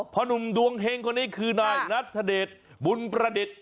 หนุ่มดวงเฮงคนนี้คือนายนัทธเดชบุญประดิษฐ์